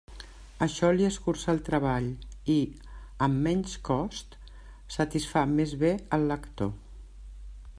Això li escurça el treball, i, amb menys costs, satisfà més bé el lector.